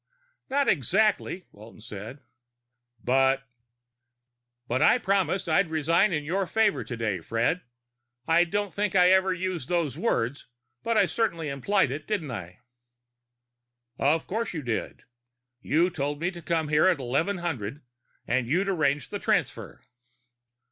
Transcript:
"Not exactly," Walton said. "But " "But I promised you I'd resign in your favor today, Fred. I don't think I ever used those words, but I certainly implied it, didn't I?" "Of course you did. You told me to come here at 1100 and you'd arrange the transfer."